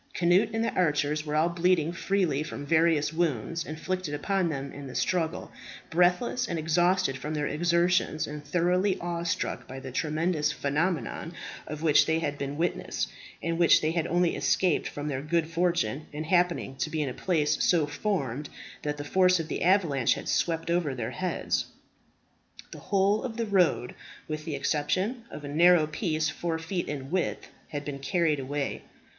Cnut and the archers were all bleeding freely from various wounds inflicted upon them in the struggle, breathless and exhausted from their exertions, and thoroughly awe struck by the tremendous phenomenon of which they had been witnesses, and which they had only escaped from their good fortune in happening to be in a place so formed that the force of the avalanche had swept over their heads The whole of the road, with the exception of a narrow piece four feet in width, had been carried away.